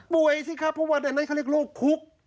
สิครับเพราะว่าในนั้นเขาเรียกโรคคุก